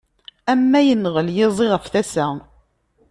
Am ma yennɣel yiẓi ɣef tasa.